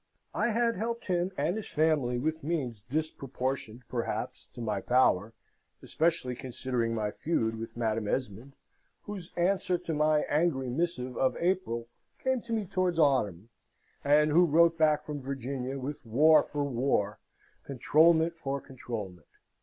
I had helped him and his family with means disproportioned, perhaps, to my power, especially considering my feud with Madam Esmond, whose answer to my angry missive of April came to me towards autumn, and who wrote back from Virginia with war for war, controlment for controlment.